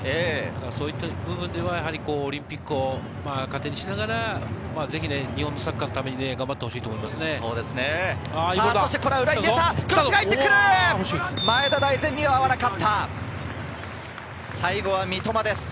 そういった部分では、オリンピックを糧にしながら、日本のサッカーのために頑張ってほしいですね。